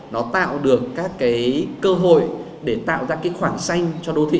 nó tạo được các cái cơ hội để tạo ra cái khoảng xanh cho đô thị